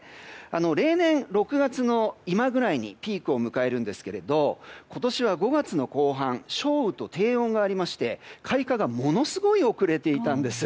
例年、６月の今ぐらいにピークを迎えるんですけれど今年は５月の後半少雨と低温がありまして開花がものすごい遅れていたんです。